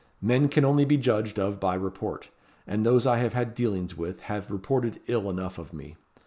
Men can only be judged of by report; and those I have had dealings with have reported ill enough of me.